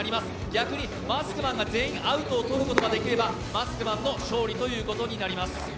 逆にマスクマンが全員アウトを取ること賀できればマスクマンの勝利ということになります。